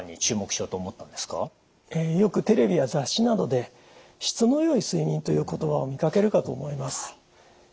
よくテレビや雑誌などで質の良い睡眠という言葉を見かけるかと思います。